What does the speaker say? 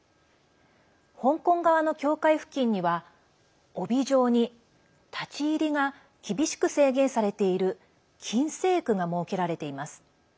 香港側の境界付近には帯状に立ち入りが厳しく制限されている禁制区が設けられています。